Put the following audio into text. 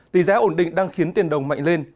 tỷ giá ổn định đang khiến tiền đồng mạnh lên